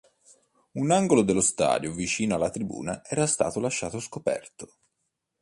Un angolo dello stadio vicino alla tribuna era stato lasciato scoperto.